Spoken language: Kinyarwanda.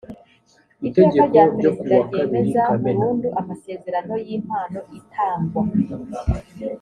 iteka rya perezida ryemeza burundu amasezerano y ‘impano itangwa.